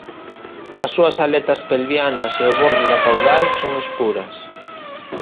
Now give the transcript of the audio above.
As súas aletas pelvianas e o bordo da caudal son escuras.